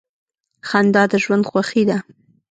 • خندا د ژوند خوښي ده.